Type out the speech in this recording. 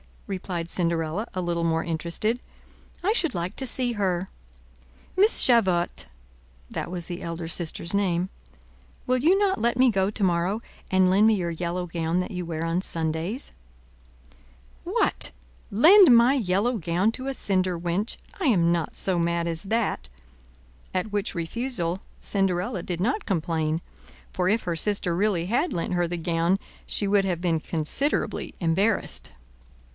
replied Cinderella, a little more interested; "I should like to see her. Miss Javotte"—that was the elder sister's name—"will you not let me go to morrow, and lend me your yellow gown that you wear on Sundays?" "What, lend my yellow gown to a cinder wench! I am not so mad as that;" at which refusal Cinderella did not complain, for if her sister really had lent her the gown, she would have been considerably embarrassed.